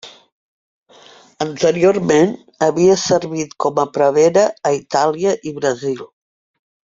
Anteriorment, havia servit com a prevere a Itàlia i Brasil.